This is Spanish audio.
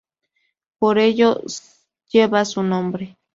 Por eso lleva su nombre.